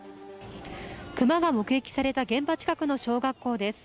クマが目撃された現場近くの小学校です。